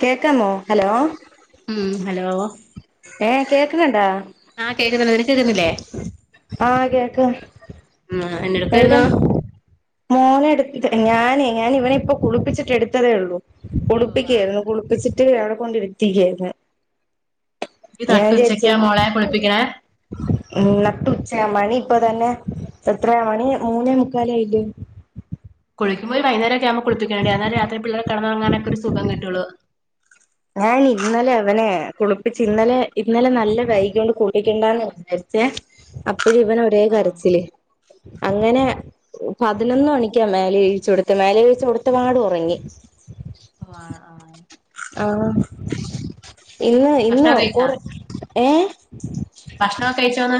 കേക്കാമോ ഹലോ ഉം ഹലോ ഏ കേക്കണണ്ടാ ആ കേക്ക്ന്നുണ്ട് നിനക്ക് കേക്കുന്നില്ലേ ആ കേൾക്ക ഉം എന്നെടുകയിരുന്നു മോനെ എടുത്ത് ഞാനേ ഞാന ഇവനെ ഇപ്പ കുളിപ്പിച്ചിട്ട് എടുത്തതേ ഉള്ളൂ കുളിപ്പിക്കയായിരുന്നു കുളിപ്പിച്ചി അവിടെ കൊണ്ടിരുത്തിക്കയിരുന്നു ഞാൻ ചേച്ചേ ഉം നട്ടു ഉച്ച മണി ഇപ്പ തന്നെ എത്രയ മണി മൂന്നേ മുക്കാലേ ആയില്ലേ [unintelligible] വൈകുന്നേരംക്കെ കുളപ്പിക്കണ്ട അന്നേരം രാത്രി പിള്ളേര് കിടന്നുറങ്ങാൻ ഒ ഒരു സുഖം കിട്ടുള്ളൂ. ഞാൻ ഇന്നലെ അവനെ കുളിപ്പിച്ച് ഇന്നലെ ഇന്നലെ നല്ല വൈഗികൊണ്ട് കൂട്ടിക്കണ്ടാന്ന് വിചാരിച്ചേ അ ടി ഇവന് ഒരേ ആഹ് കരച്ചില് അങ്ങനെ പതിനൊന്ന് മണിക്കാ മേല്കഴുകിച്ചു കൊടുത്തെ മേലെ കഴുകിച്ച് കൊടുത്തപാട് ഉറങ്ങി ഓ ആഹാ -ആഹാ ആഹ ഇന്ന്-ഇന്ന് കൊറേ ഏ ഭക്ഷണക്കെ കഴിച്ചോന്ന്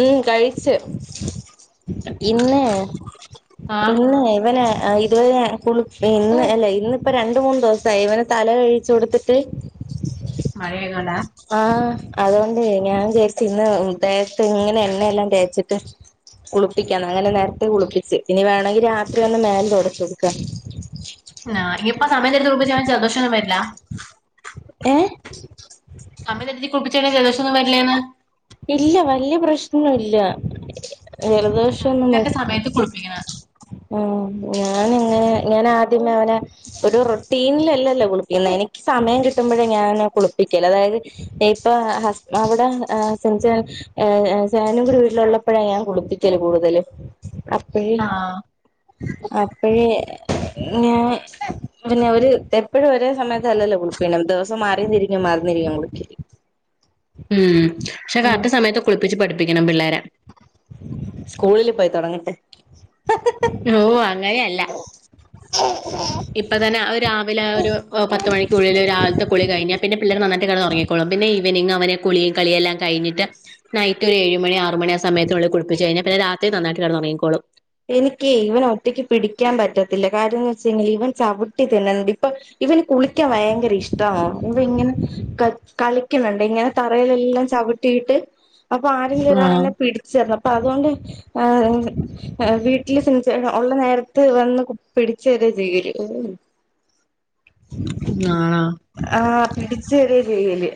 ഉം കഴിച്ച്, ഇന്നേ ആഹ് ഇന്ന് ഇവനെ ഇതുവരെ കുള് ഇന്ന് അല്ല ഇന്ന് ഇപ്പ രണ്ട് മൂന്ന് ദിവസായി ഇവന തല കഴിച്ചു കൊടുത്തിട്ട് മഴയൊക്കെ ഉണ്ട ആഹ് അതുകൊണ്ട് ഞാൻ വിചാരിച്ച് ഇന്ന് തേത്ത് ഇങ്ങനെ എണ്ണയെല്ലാം തേച്ചിട്ട് കുളിപ്പിക്കാംന്ന് അങ്ങനെ നേരത്തെ കുളിപ്പിച്ച് ഇനി വേണെങ്കി രാത്രി ഒന്ന് മേൽ തുടച്ചു കൊടുക്കാം ആ [unintelligible] സമയം തെറ്റി കുളിപ്പിച്ച അവന് ജലദോഷോന്നും വരില്ല ഏ അമനെ ഇതി [unintelligible] ജലദോശം ഒന്നും വരില്ലേന്ന് ഇല്ല വല്യ പ്രശ്ന ഇല്ല ജലദോഷം കറക്റ്റ് കറക്റ്റ് സമയത്ത് കുളിപ്പിക്കണ ഉ ഞാനിങ്ങനെ ഞാൻ ആദ്യമേ അവനെ ഒരു റുട്ടീനിലല്ലല്ലോ കുളിപ്പിക്കുന്നത് എനിക്ക് സമയം കിട്ടുമ്പോഴേ ഞൻ അവനെ കുളിപ്പിക്കല് അതായത് ഇപ്പ [unintelligible] അവിട [unintelligible] കൂടെ വീട്ടിലുള്ളപ്പോഴേ ഞാൻ കുളിപ്പിക്കല് കൂടുതല് അപ്പേ ആഹ് അ അപ്പഴേ ഞാൻ പിന്നെ ഒരു എപ്പഴും ഒരേ സമയത്തല്ലല്ലോ കുളിപ്പിന ദിവസം മാറി തിരിഞ്ഞു മാറി തിരിഞ്ഞു കുളിക്കല് ഉം ഷേ സമയത്ത് കുൽ പ്പിച്ച് പഠിപ്പിക്കണം പിള്ളേരെ സ്കൂളില് പോയി തൊടങ്ങട്ടെ ഓ അങ്ങനെയല്ല ഇപ്പ തന്നെ ആ ഒരു രാവിലെ ഒരു പത്ത് മണിക്കുള്ളില് രാവിലത്തെ കുളി കഴിഞ്ഞാ പിന്നെ പിള്ളേര് നന്നായിട്ട് കിടന്ന്ഒറങ്ങിക്കോളും പിന്നെ ഈ ഈവനിങ് അവനെ കുളിയും കളിയെല്ലാം കിഴിഞ്ഞിട്ട് നൈറ്റ് ഒരു ഏഴ്മണി ആറ്മണി ആ സമയത്തിനുള്ളി കുളപ്പിച്ച് കഴിഞ്ഞാൽ പിന്നെ രാത്രി നന്നായിട്ട് കെടന്നൊറങ്ങിക്കോളും എനിക്കേ ഇവനെ ഒറ്റയ്ക്ക് പിടിക്കാൻ പറ്റത്തില്ല കാരണം ന്ന്വെച്ച്കഴിഞ്ഞ ഇവൻ ചവിട്ടി തെന്നൽ ഇപ്പം ഇവന് കുളിക്കാൻ ഭയങ്കര ഇഷ്ടണ് ഇവൻ ഇങ്ങനെ കളി കളിക്കണ് ണ്ട് ഇങ്ങനെ തറേലെല്ലാം ചവിട്ടിയിട്ട് അപ്പൊ ആരെങ്കിലും ഒരാള് ആഹ് എന്നെ പിടിച്ചേർണം അപ്പ അതുകൊണ്ട് ആ എങ്ങ് വീട്ടില് സുവിച്ചെ ഒള്ള നേരത്ത് വന്ന് പിടിച്ച് തരുവ ചെയ്യല് ആഹ് ആ പിടിച്ച് തരിയ ചെയ്യല്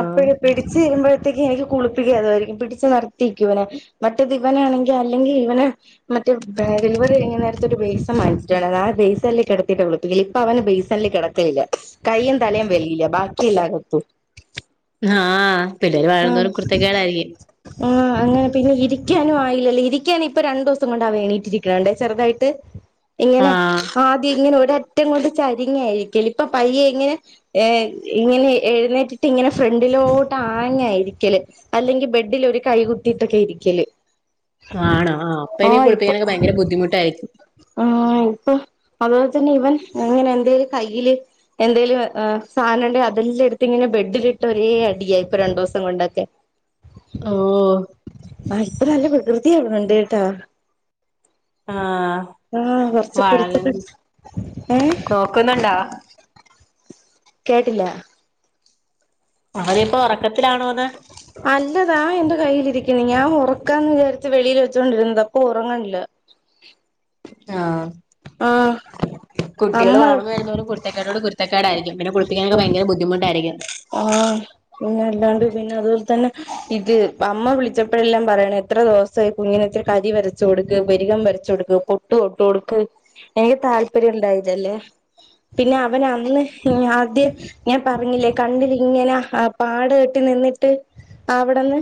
അപ്പഴ് പിടിച്ച് തരുമ്പഴ് ത്തേക്ക് എനിക്ക് കുളിപ്പിക്ക അതാരിക്കും പിടിച്ച് നിർത്തിക്കുവനെ മറ്റേത് ഇവനാണെങ്കി അല്ലെങ്കി ഇവനെ മറ്റേ ഡെലിവറി കഴിഞ്ഞ നേരത്ത് ഒരു ബെയ്സൻ മേടിച്ചിട്ടൊണ്ടാര്ന്ന് ആ ബേയ്സണില് കെടത്തിട്ട് കുളിപ്പിക്കല് ഇപ്പ അവന് ബേയ്സണില് കെടക്കേയില്ല കൈയ്യും തലയും വെളില് ബാക്കിയെല്ലാ അകത്തു ആഹ് പിള്ളേര് ആഹ് വളരുന്തോറും കുരുത്തക്കേടായിരിക്കും ആഹ് അങ്ങനെ പിന്നെ ഇരിക്കാനും ആയില്ലല്ല ഇരിക്കാനിപ്പ രണ്ടു ദിവസം കൊണ്ടാ അവ എണീറ്റിരിക്കണകണ്ടേ ചെറ്തായിട്ട് എങ്ങനാ ആഹ് ആദ്യം ഇങ്ങനെ ഒരറ്റ് റ്റം കൊണ്ട് ചരിങ്ങായിരിക്കല് ഇപ്പ പയ്യെ ഇങ്ങനെ ഏഹ് ഇങ്ങനെ എഴുന്നേറ്റിട്ട് ഇങ്ങനെ ഫ്രണ്ടിലോട്ട ആഞാ ഇയിരിക്കല് അല്ലെങ്കി ബെഡ്ഢിലൊര് കൈ കുത്തിട്ടൊക്കെ ഇരിക്കല് ആണോ ആ അപ്പ ഇനി ആഹ് ഇപ്പൊ കുളിപ്പിക്കാനൊക്കെ ഭയങ്കര ബുദ്ധിമുട്ടാരിക്കും. ആഹ് ഇപ്പൊ അതുപോലെ തന്നെ ഇവൻ ഇങ്ങനെ എന്തേലും കയ്യില് എന്തേലും ആഹ് സാധന്ണ്ടേ അതെല്ലാം എടുത്ത് ഇങ്ങനെ ബെഡിലിട്ട് ഒരേ അടിയായി ഇപ്പ രണ്ടുസം കൊണ്ടൊക്കെ. ഓഹ് ആ ഇപ്പ നല്ല കൃത്യ ഇവിടൊണ്ട് ട്ടാ. ആഹ് കൊറച്ച് വാളൻ കുരുത്തക്കെ ഏഹ് കോക്കുന്നുണ്ട? കേട്ടില്ല അവനിപ്പ ഒറക്ക ത്തിലാണോന്ന് അല്ല ദാ എന്റെ കയ്യിലിരിക്ക്ണ് ഞാൻ ഉറക്കാന്ന് വിചാരിച്ച് വെളിയില് വെച്ചൊണ്ടിരുന്നത ഇപ്പൊ ഒറങ്ങ്ല്ല ആഹ് അമ്മ കുട്ടികള് വളർന്ന് വരുന്തോറും കുരുത്ത കേടുകള് കുരു ത്തക്കേടായിരിക്കും പിന്നെ കുളിപ്പിക്കാനൊക്കെ ഭയങ്കര ബുദ്ധിമുട്ടായിരിക്കും പിന്ന അല്ലാണ്ട് പിന്നെ അതുപോലെ തന്നെ ഇത് അമ്മ വിളിച്ചപ്പഴെല്ലാം പറയണ് എത്ര ദിവസായി കുഞ്ഞിന് ഇത്തിരി കരി വരച്ച് കൊടുക്ക് പിരികം വരച്ച് കൊടുക്ക് പൊട്ട് തൊട്ട് കൊടുക്ക് എനിക്ക് താല്പര്യം ഇണ്ടായില്ലല്ലേ പിന്നെ അ അവന് അന്ന് ആദ്യം ഞാൻ പറഞ്ഞില്ലേ കണ്ണിലിങ്ങന ആ പാട് കെട്ടി നിന്നിട്ട് അവിട്ന്ന്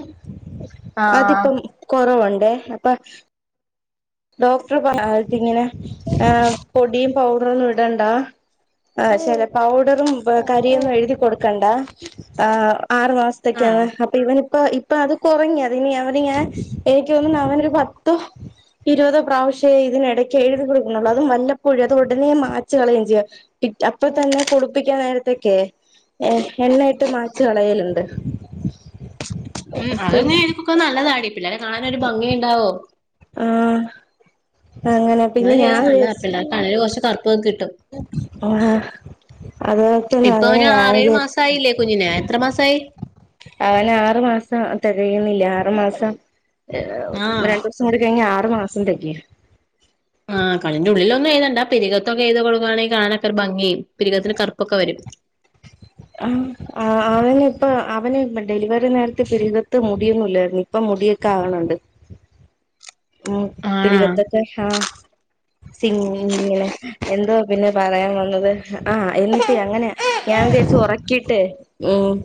ആഹ് അതിപ്പം കൊറവു ണ്ടേ അപ്പം ഡോക്ടറ് പറഞ്ഞാണ്ടിങ്ങനെ ആഹ് പൊടിം പൗഡറൊന്നും ഇടണ്ട ആ ചെല പൗഡറും കരിന്നും എഴുതി കൊടുക്കണ്ട ആ ആറ് ആഹ് മാസത്തേക്കാണ് അപ്പൊ ഇവന് ഇപ്പ ഇപ്പ അത് കൊറഞ് അത് ഇനി അവന് ഞാൻ എനിക്ക് തോന്നുന്നു അവനൊരു പത്തു ഇരുപതോ പ്രാവശ്യേ ഇതിനെടയ്ക്ക് എഴുതി കൊടുക്കുന്നൊള്ളൂ അതും വല്ലപ്പോഴും അത് ഉടനെ മാച്ച് കളയും ചെയ്യും അപ്പൊ തന്നെ കുളിപ്പിക്കാൻ നേരത്തെക്കെ ഏഹ് എണ്ണയിട്ട് മാച്ച് കളയല്ണ്ട് ഉം അതങ്ങനെ എഴുതികുക്ക നല്ലതാടി പിള്ളേരെ കാണാനൊരു ഭംഗിയുണ്ടാവും ആഹ് അങ്ങനെ പിന്നെ ചെയ്താ ഞാൻ നല്ലതാ വിചാരിച്ച് പിള്ളാർക്ക് കണ്ണിന് കൊറച്ച് കറുപ്പ്ക്കെ കിട്ടും ആഹ് അത്പോലെതന്നെ ഇപ്പൊ എങ്ങനെ അവന് ആറേഴ് ആയത് മാസായില്ലേ കുഞ്ഞിന് എത്ര മാസായി അവന് ആറു മാസം തെകയണില്ല ആറു മാസം ആഹ് രണ്ടുസം കൂടി കഴിഞ്ഞ ആ ആറ് മാസം തെകയും ആ കണ്ണിന്റെ ഉള്ളിലൊന്നും എഴ്‌തണ്ടാ പിരികത്തൊക്കെ എഴ്തി കൊടുക്കുകയാണെങ്കിൽ കാണനൊക്കെ ഭംഗിയും പിരികത്തിന് കറുപ്പൊക്കെ വരും ആ ആ അവന് ഇപ്പ അവന് ഡെലിവറി നേരത്ത് പിരിതത്ത് മുടിയൊന്നും ഇല്ലാരുന്നു ഇപ്പൊ മുടിയൊക്കെ ആക്ണ്ണ്ട് ഉം ആഹ് പിരികത്തക്കെ ആ സിങ്ങിനെ എന്തോ പിന്നെ പറയാൻ വന്നത് ആ എന്നിട്ട് എങ്ങനെ ഞാൻ വിചാരിച്ചു ഒറക്കിട്ടേ ഉം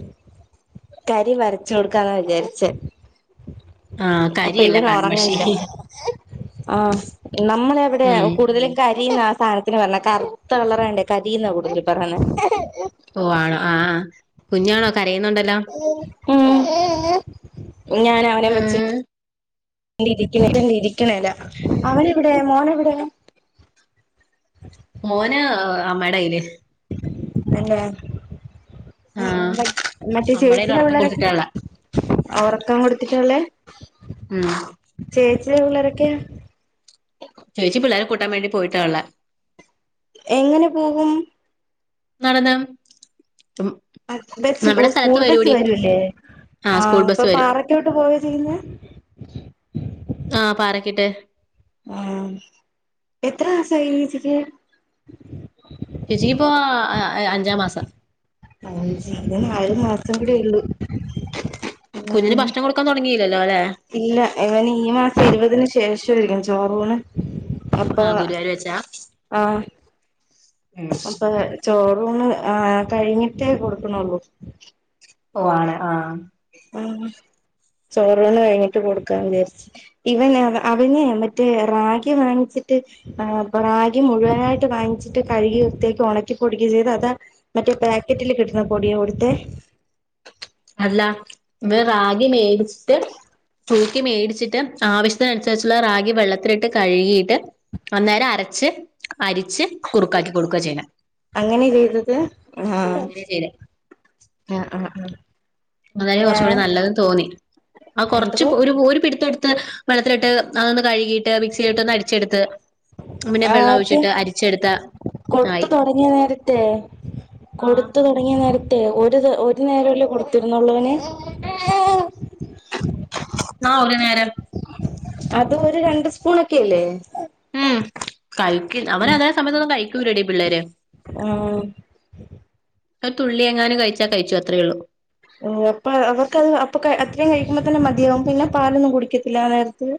കരി വരച്ച് കൊടുക്കാന്നാ വിചാരിച്ചേ ആ കരിയല്ല കൺമഷി ആ നമ്മള എവിടെ ഉം കൂടുതലും ക കരീന്നാ ആ സാധത്തിന് പറണെ കറുത്ത കളറയണ്ടേ കരീന്ന കൂടുതലും പറണെ ഓഹ് ആണോ ആഹ് കുഞ്ഞാണോ കരയുന്നുണ്ടല്ലോ ഉം ഞാൻ അവനെ വച്ച് ആഹ് [unintelligible] അവൻ എവ്ടെ മോനെ എവ് പേ മോന് അമ്മടെ കയ്യില് അല്ലെ ആഹ് മറ്റേ അമ്മടേൽ ചേച്ചിടെ ഉറക്കം പിള്ളേരൊക്കെ കൊടുത്തിട്ടാള്ള ഒറക്കം കൊടുത്തിട്ടഒള്ളേ ഉം ചേച്ചി ചെറിയ പിള്ളാരൊക്കെയോ ചേച്ചി പിള്ളേരെ കൂട്ടാൻ വേണ്ടി പോയിട്ടാ ഒള്ളെ എങ്ങനെ പോകും നടന്ന് ബസ് നമ്മുടെ സ്ഥലത്ത് സ്കൂൾ ബസ്സ് വരൂടി വരല്ലേ ആ സ്കൂൾ അപ്പൊ ബസ് വരും പാറക്കോട്ട് പോയ പോയിനെ ആ പറക്കിട്ട് ആ എത്ര മാസായി ച്ചിക്ക് ചേച്ചിക്ക് ഇപ്പോ അ അഞ്ചാം മാസം [unintelligible] മാസം കൂടി ഉം ഉള്ളു കുഞ്ഞിന് [unintelligible] ഭക്ഷണം കൊടുക്കാൻ തുടങ്ങിയില്ലല്ലോ അല്ലെ ഇല്ല ഇവൻ ഈ മാസ ഇരുപതിന് ശേഷം [unintelligible] ചോറൂന് ആ അപ്പൊ ഗുരുവായൂർ വെച്ചാ ആ ഉം അപ്പഴെ ചോറൂണ് ആ കഴിഞ്ഞിട്ടെ കൊട്ക്ക്ണ് ഒള്ളു ഓ ആണ് ആ ചോറ് ഊണ് കഴിഞ്ഞിട്ട് കൊട്ക്കാന്ന് വിചാരിച്ച് ഇവൻ അവ അവനെ മറ്റേ റാഗി വാങ്ങിച്ചിട്ട് റാഗി ആ പ്പ മുഴുവനായിട്ട് വാങ്ങിച്ചിട്ട് കഴികി വൃത്തിയാക്കി ഒണക്കി പൊടിക്കി ചെയ്ത് അതാ മറ്റേ പാക്കറ്റില് കിട്ടുന്ന പൊടിയും ഇട്ത്ത് അല്ല ഇത് റാഗി മേടിച്ചിട്ട് തൂക്കി മേടിച്ചിട്ട് ആവശ്യത്തിൻ അനുസരിച്ചുള്ള റാഗി വെള്ളത്തിലിട്ട് കഴികിട്ട് അന്നേരം അരച്ച് അരിച്ച് കുറുക്കാക്കി കൊടുക്കുവാ ചെയ്യ്ണെ അങ്ങനെ ചെയ്തെത് ആ അങ്ങനെ ചെയ്തെ ആ ആ അതായാ കൊർച്ചുകൂടി നല്ലത്‌ന്ന് തോന്നി ആ കൊർച്ച് എന്തോ ഒരു ഒര് പിടിത്തം എട് ത്ത് വെള്ളത്തിലിട്ട് അതൊന്ന് കഴ്കിയിട്ട് മിക്സിൽ ഇട്ടൊന്ന് അടിച്ചെട്ത്ത് ആദ്യം കൊട്ത്ത് ആയി. തൊടങ്ങിയ നേരത്തെ ആഹ് കൊട്ത്ത് തൊടങ്ങിയ നേര ത്തേ ഒരു ഒര് നേര അല്ലെ കൊട്ത്തിരുന്നൊള്ളു ഓൻ ആ ഒര് നേരം അത് ഒര് രണ്ട് സ്പൂണൊക്കെ അല്ലെ ഉം കഴിക്ക് അവന് അതേ സമയത്തൊന്നും കഴി ക്കുലെടി പിള്ളേര് ഉം ക്കെ തുള്ളി എങ്ങാനും കഴിച്ചാ കഴിച്ചു അത്രേ ഒള്ളു ഉം അപ്പ അവർക്ക് അത് അപ്പൊക്കെ അത്രയും കഴിക്കുമ്പോതെന്നെ മതിയാവും പിന്നെ പാലൊന്നും കുടിക്കത്തില്ല ആ നേര്ത്ത്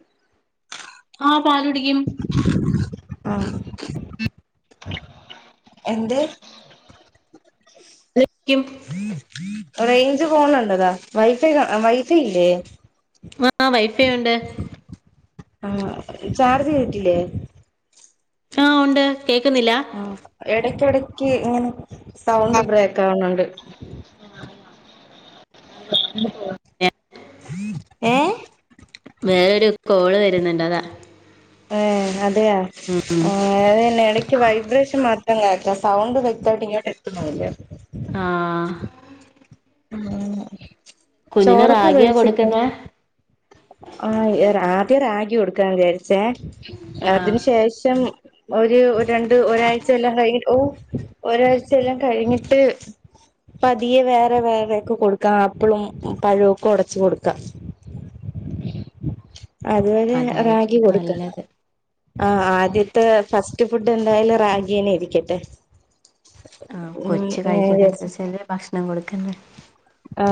ആഹ പാലുടിക്കും. ആഹ് [unintelligible] ടിക്കും. റേഞ്ച് ഫോണുണ്ട? വൈഫ വൈഫ ഇല്ലേ? ആഹ വൈഫേുണ്ട്. ആ ചാർജ് ചെയ്തിട്ടില്ലേ? ആഹ് ഉണ്ട്. കേക്കുന്നില്ല. ആ എടയ്ക്ക് എടക്ക് യ്ക്ക് ഇങ്ങനെ. Sound break ആവണണ്ട്. ഏഹ് [unintelligible] വേറെരു കോള് വ വരുന്നുണ്ടതാ. ആ അതെയ അത് തന്നെ ഇടക്ക് വൈബ്രേഷൻ മാത്രം കേ ആ സൗണ്ട് വ്യക്തമായിട്ട് ഇങ്ങോട്ട് എത്തുന്നില്ല. ആ ആ കുഞ്ഞിന് റാഗിയാ കൊടുക്കുന്നേ? ആ ആദ്യം രാഗി കൊടുക്കാൻ വിചാ ച്ചേ ആഹ് അതിനന് ശേഷം ഒരു രണ്ട് ഒരാഴ്ച എല്ലാം കഴിഞ്ഞി ഓ ഒരാഴ്ച എല്ലാം കഴിഞ്ഞിട്ട് പതിയെ വേറെ വേറെക്കെ കൊടുക്കാം ആപ്പിളും പഴവുമൊക്കെ ഒടച്ച് കൊടുക്കാ. അതുവരെ അതായിരിക്കും റാഗി കൊടുക്ക് നല്ലത്. ആ ആദ്യത്തെ ഫസ് ഫുഡ് എന്തായാലും റാഗീന്നെ ഇരിക്കട്ടെ. ആ കൊച്ച് കഴിക്കുന്ന വെച്ചാല് ഭക്ഷ ണം കൊടുക്ക ആ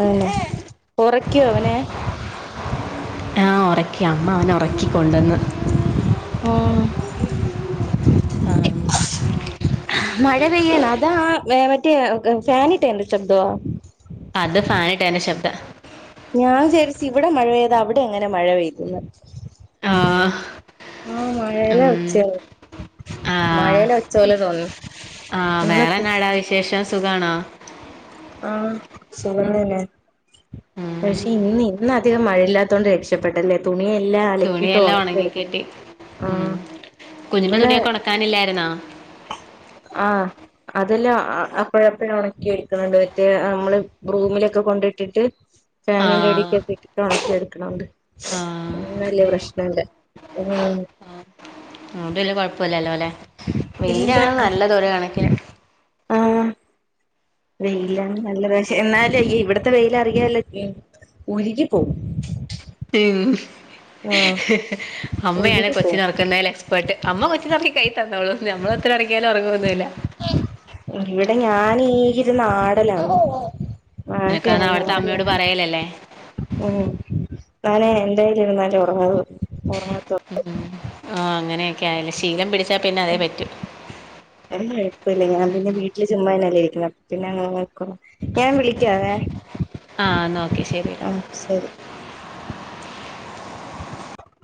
തന്നെ ഉറക്കിയോ അവനെ ആ ഉറക്കി അമ്മ അവനെ ഉറക്കി കൊണ്ടുവന്നതാ ഉം ആ മഴ പെയ്യണോ അതാ മറ്റേ ഫാനിട്ടതിന്റെ ശബ്ദ? അത് ഫാനിട്ട എന്റെ ശബ്ദ ഞാൻ വിചാരിച്ച് ഇവിടെ മഴ പെയ്ത അവിടെ എങ്ങനെ മഴ പെയ്തെന്ന്? ആ ആ മഴയല്ല വച്ചേ ആ ആ വേറെ ഇന്നിപ്പോ എന്നാടാ വിശേഷം സുഖണോ ആ സുഖം തന്നെ ഉം പക്ഷെ ഇന്ന് ഇന്ന അധികം മഴയില്ലാത്തതോണ്ട് രക്ഷപ്പെട്ടല്ലേ തു തുണിയെല്ലാം ഉണങ്ങിക്കിട്ടി ഉം ആഹ് കുഞ്ഞിന്റെ തുണിയൊക്കെ ഉണക്കാനില്ലായിരുന്നോ ആ അതെല്ലാം അപ്പോഴപ്പോഴ ഉണക്കി എടുക്കുന്നുണ്ട് മറ്റേ നമ്മള് റൂമിലൊക്കെ കൊണ്ടിട്ടിട്ട് ഫാനിന്റെ ആഹ് അടിയ്ക്കിട്ടിട്ട് ഉണക്കി എടുത്ത് ണ്ട് ആഹ് വലിയ പ്രശ്നുണ്ട് [unintelligible] കൊഴപ്പല്ലല്ലോ അല്ലെ വെയിലാ ഇല്ല ന അത് നല്ലതോര കണക്കിനന് ആഹ് വെയിലാണ് നല്ല ഷെ എന്നാല് ഇവിടത്തെ വെയ്‌ല് അറിയാലോ ഉരുകി പോകും ഉം അമ്മയാണ് ഉരുകി കൊച്ചി പോവും നറക്കുന്നതിൽ എക്സ്പേർട്ട് അമ്മ കൊച്ചു നറക്കി കഴി തന്നോളും നമ്മളത്ര ഉറക്കിയാലും ഉറങ്ങൊന്നുല്ല ഇവിടെ ഞാനീ [unintelligible] എനക്കാന്ന് അവിടത്തെ അമ്മയോട് പറയലല്ലേ ഉം ഞാന് എൻ്റെയിലിരുന്നാലെ ഒറങ്ങള്ളു ഒ ഉം ഉം ആ അങ്ങനെയൊക്കെ ആയല്ല ശീലം പിടി അ കുഴപ്പല്ല. ഞാൻ പിന്നെ വീട്ടില് [unintelligible] പി പിന്നെങ്ങനെ നോൽ [unintelligible] ഞാൻ വിളിക്കാവേ? ആ എന്നാ ഓക്കെ ശരി ആഹ് ശരി.